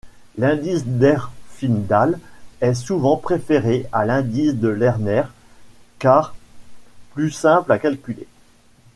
L'indice d'Herfindahl est souvent préféré à l'indice de Lerner car plus simple à calculer.